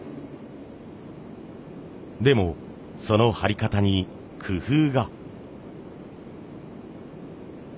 でもその貼り方に工夫が。